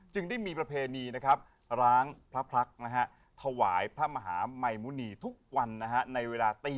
จึงได้มีประเภนนีล้างพระพลักษณ์ถวายพระมหาใหม่มุนีทุกวันในเวลา๔น